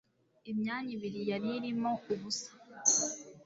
imyanya ibiri yari irimo ubusa